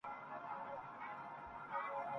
آج تو درد مرا حد سے سوا ہے لوگو